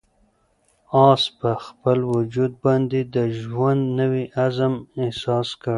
آس په خپل وجود باندې د ژوند نوی عزم احساس کړ.